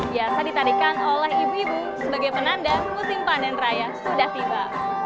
biasa ditarikan oleh ibu ibu sebagai penanda musim panen raya sudah tiba